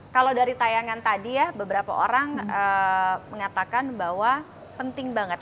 kalau dari tayangan tadi ya beberapa orang mengatakan bahwa penting banget